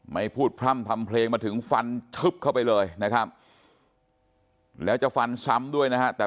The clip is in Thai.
ไม่พูดพร่ำทำเพลงมาถึงฟันทึบเข้าไปเลยนะครับแล้วจะฟันซ้ำด้วยนะฮะแต่